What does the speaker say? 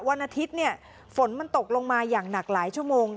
วันอาทิตย์เนี่ยฝนมันตกลงมาอย่างหนักหลายชั่วโมง